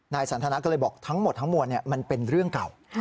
สันทนาก็เลยบอกทั้งหมดทั้งมวลมันเป็นเรื่องเก่า